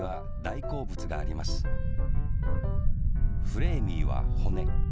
フレーミーはほね。